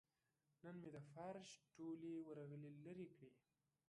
نن مې د فرش ټولې ورغلې لرې کړې.